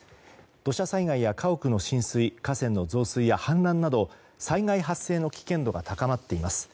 土砂災害や家屋の浸水河川の増水や氾濫など災害発生の危険度が高まっています。